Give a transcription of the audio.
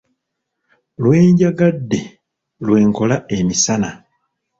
Lwenjagadde lwenkola emisana.